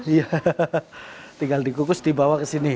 iya tinggal dikukus dibawa ke sini